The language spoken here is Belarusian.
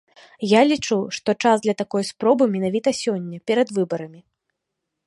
Я лічу, што час для такой спробы менавіта сёння, перад выбарамі.